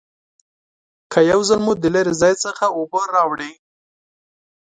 که یو ځل مو د لرې ځای څخه اوبه راوړي